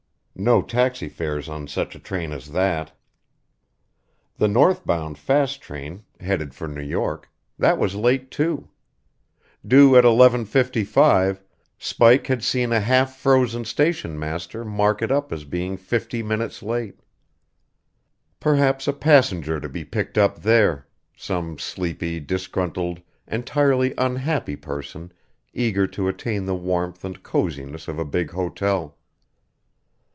No taxi fares on such a train as that. The north bound fast train headed for New York that was late, too. Due at 11.55, Spike had seen a half frozen station master mark it up as being fifty minutes late. Perhaps a passenger to be picked up there some sleepy, disgruntled, entirely unhappy person eager to attain the warmth and coziness of a big hotel.